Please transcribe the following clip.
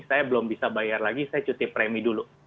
saya belum bisa bayar lagi saya cuti premi dulu